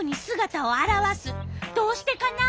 どうしてかな？